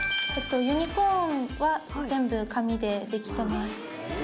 ユニコーンは全部紙でできてます。